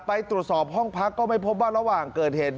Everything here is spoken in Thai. ไปตรวจสอบห้องพักก็ไม่พบว่าระหว่างเกิดเหตุ